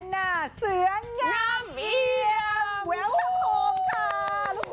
แนนาเสือย่ำเอียม